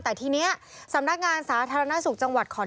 แต่ทีนี้สำนักงานสาธารณสุขจังหวัดขอนแก่น